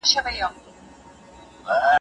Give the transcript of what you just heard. ابو عبيده خپل عسکر راټول کړل.